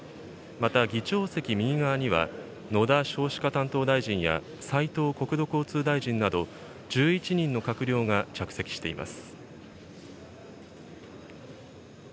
また議長席右側には、野田少子化担当大臣や、斉藤国土交通大臣など、１１人の閣僚が着席しています。